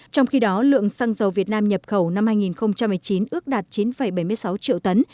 trong khi đó lượng xăng dầu việt nam nhập khẩu năm hai nghìn một mươi chín ước đạt chín bảy mươi sáu triệu tấn